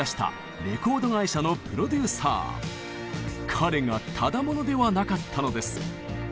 彼がただ者ではなかったのです。